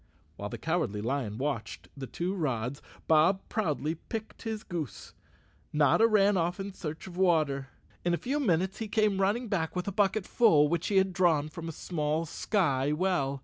While the Cowardly Lion watched the two rods, and Bob proudly picked his goose, Notta ran off in search of water. In a few minutes he came running back with a bucket full which he had drawn from a small sky well.